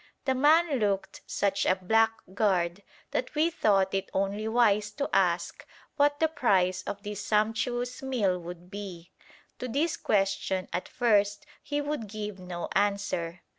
The man looked such a blackguard that we thought it only wise to ask what the price of this sumptuous meal would be. To this question at first he would give no answer.